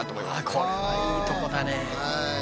これはいいとこだね。